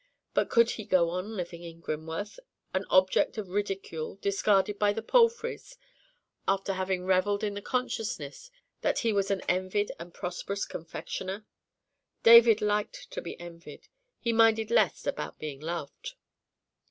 But could he go on living at Grimworth—an object of ridicule, discarded by the Palfreys, after having revelled in the consciousness that he was an envied and prosperous confectioner? David liked to be envied; he minded less about being loved.